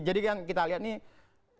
jadi kan kita lihat nih